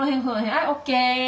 はいＯＫ。